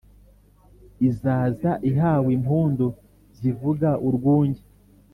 izaza ihawe impundu zivuga urwunge.